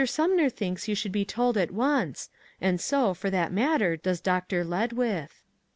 Sumner thinks you should be told at once, and so, for that matter, does Dr. Ledwith."